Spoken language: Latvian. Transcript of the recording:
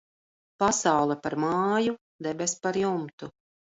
Pasaule par māju, debess par jumtu.